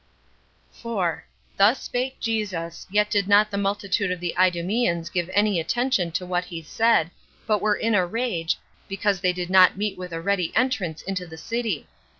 Thus spake Jesus; yet did not the multitude of the Idumeans give any attention to what he said, but were in a rage, because they did not meet with a ready entrance into the city.